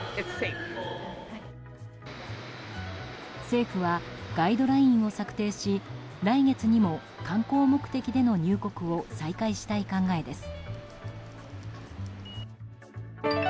政府はガイドラインを策定し来月にも観光目的での入国を再開したい考えです。